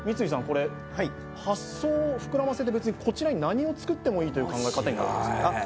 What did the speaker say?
これ発想を膨らませて別にこちらに何を作ってもいいという考え方になるんですよねあっ